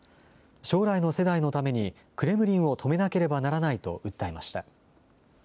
将来の世代のためにクレムリンを止めなければならないと訴えました。